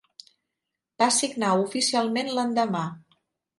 Va signar oficialment l'endemà.